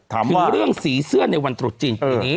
ถึงเรื่องสีเสื้อในวันตรวจจริงอย่างนี้